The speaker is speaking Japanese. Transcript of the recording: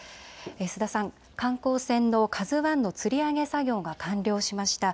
須田さん、観光船のＫＡＺＵＩのつり上げ作業が完了しました。